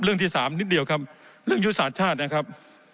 เรื่องที่สามนิดเดียวครับเรื่องยุทธศาสตร์ชาตินะครับ